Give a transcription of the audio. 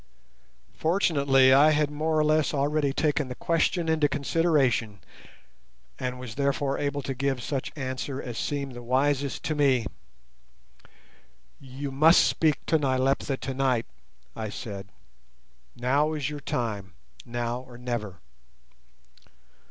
Fortunately, I had more or less already taken the question into consideration, and was therefore able to give such answer as seemed the wisest to me. "You must speak to Nyleptha tonight," I said. "Now is your time, now or never.